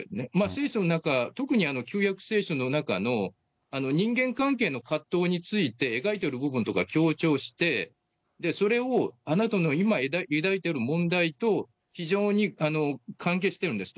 聖書の中、特に旧約聖書の中の人間関係の葛藤について描いている部分とか強調して、それをあなたの今抱いている問題と、非常に関係しているんです。